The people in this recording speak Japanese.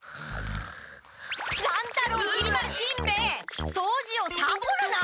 乱太郎きり丸しんべヱそうじをサボるな！